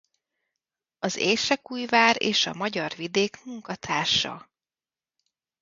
Az Érsekújvár és Magyar Vidék munkatársa.